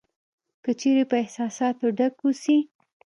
که چېرې په احساساتو ډک اوسې .